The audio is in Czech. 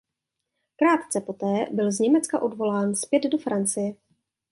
Krátce poté byl z Německa odvolán zpět do Francie.